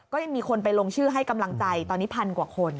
ก็ยังมีคนไปลงชื่อให้กำลังใจตอนนี้พันกว่าคน